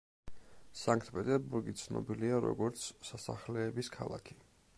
სანქტ-პეტერბურგი ცნობილია, როგორც სასახლეების ქალაქი.